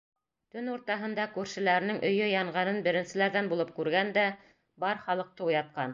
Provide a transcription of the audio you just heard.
Төн уртаһында күршеләренең өйө янғанын беренселәрҙән булып күргән дә бар халыҡты уятҡан.